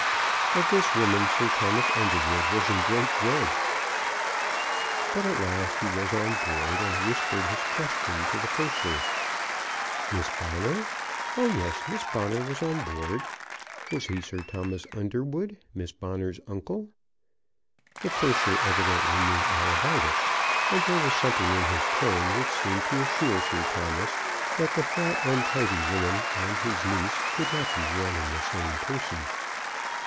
Of this woman Sir Thomas Underwood was in great dread. But at last he was on board, and whispered his question to the purser. Miss Bonner! Oh, yes; Miss Bonner was on board. Was he Sir Thomas Underwood, Miss Bonner's uncle? The purser evidently knew all about it, and there was something in his tone which seemed to assure Sir Thomas that the fat, untidy woman and his niece could not be one and the same person.